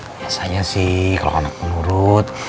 biasanya sih kalau anak penurut